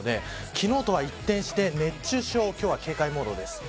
昨日とは一転して熱中症、今日は警戒モードです。